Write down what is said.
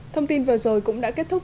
thông tin vừa rồi cũng đã kết thúc